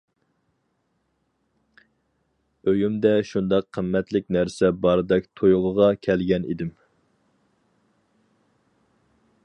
ئۆيۈمدە شۇنداق قىممەتلىك نەرسە باردەك تۇيغۇغا كەلگەن ئىدىم.